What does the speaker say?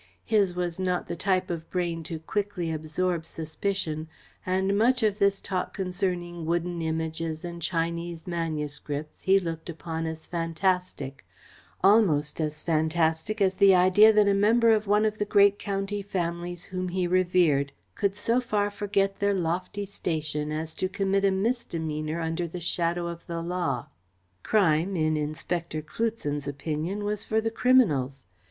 His was not the type of brain to quickly absorb suspicion, and much of this talk concerning wooden Images and Chinese manuscripts he looked upon as fantastic almost as fantastic as the idea that a member of one of the great county families whom he revered could so far forget their lofty station as to commit a misdemeanour under the shadow of the law. Crime, in Inspector Cloutson's opinion, was for the criminals.